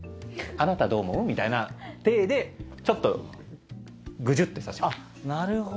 あなたどう思う？」みたいな体でちょっとグジュってさせます。